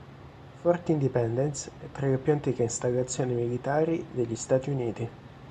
Fort Independence è tra le più antiche installazioni militari degli Stati Uniti.